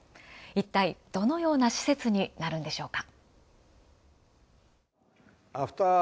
いったい、どのような施設になるのでしょうか？